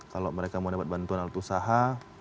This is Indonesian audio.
kalau mereka mau dapat bantuan alat usaha